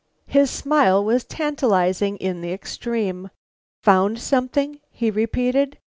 His smile was tantalizing in the extreme. "Found something?" he repeated.